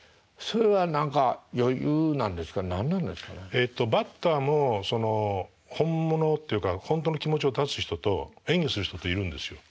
えっとバッターも本物っていうか本当の気持ちを出す人と演技する人といるんですよ。